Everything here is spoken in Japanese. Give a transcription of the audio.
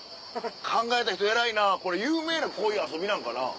考えた人偉いなこれ有名なこういう遊びなんかな？